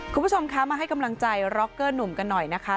คุณผู้ชมคะมาให้กำลังใจร็อกเกอร์หนุ่มกันหน่อยนะคะ